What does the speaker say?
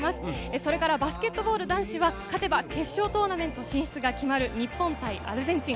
それからバスケットボール男子は、勝てば決勝トーナメント進出が決まる、日本対アルゼンチン。